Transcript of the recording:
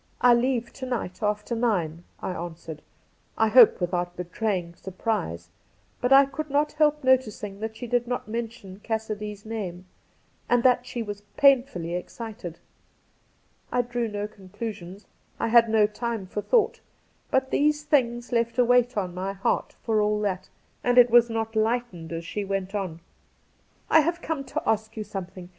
I leave to night after nine,' I answered — I hope without betraying surprise; but 1 could not help noticing that she did not mention Cassidy's name, and that she was pain fully excited. I drew no conclusions — I had no time for thought ; but these things left a weight on my heart for aU that, and it was not lightened as she went on. ' I have come to ask you something.